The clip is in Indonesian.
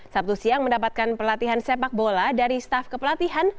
sabtu siang mendapatkan pelatihan sepak bola dari staff kepelatihan